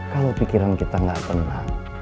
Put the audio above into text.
kalau pikiran kita nggak tenang